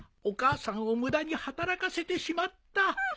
お母さんを無駄に働かせてしまった。